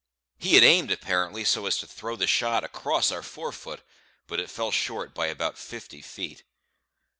He had aimed apparently so as to throw the shot across our fore foot; but it fell short by about fifty feet.